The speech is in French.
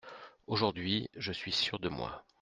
Aujourd'hui, je suis sûr de moi.